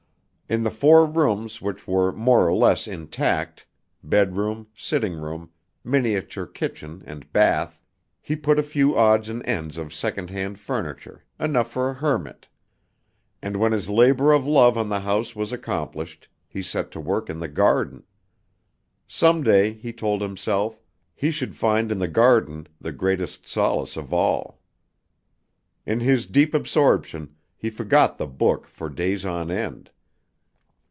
In the four rooms which were more or less intact bedroom, sitting room, miniature kitchen and bath he put a few odds and ends of second hand furniture, enough for a hermit. And when his labor of love on the house was accomplished, he set to work in the garden. Some day, he told himself, he should find in the garden the greatest solace of all. In his deep absorption, he forgot the book for days on end.